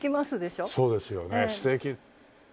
そうですよね素敵。